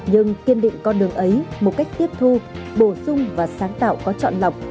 nhưng kiên định con đường ấy một cách tiếp thu bổ sung và sáng tạo có chọn lọc